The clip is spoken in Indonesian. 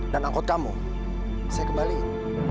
dan angkot kamu saya kembaliin